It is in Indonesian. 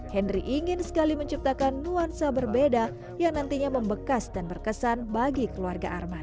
henry ingin sekali menciptakan nuansa berbeda yang nantinya membekas dan berkesan bagi keluarga arman